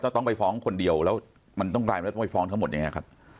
ถ้าต้องไปฟ้องคนเดียวแล้วมันต้องตายจะต้องไปฟ้องทั้งหมดยังไงครับ